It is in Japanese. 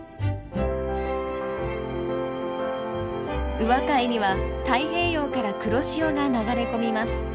宇和海には太平洋から黒潮が流れ込みます。